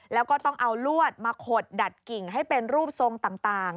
แล้วก็ต้องเอาลวดมาขดดัดกิ่งให้เป็นรูปทรงต่าง